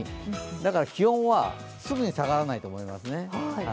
だから気温はすぐに下がらないと思いますね。